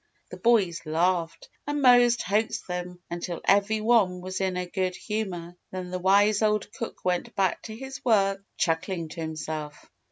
The boys laughed and Mose hoaxed them until every one was in a good humour, then the wise old cook went back to his work chuckling to himself.